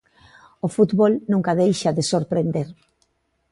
O fútbol nunca deixa de sorprender.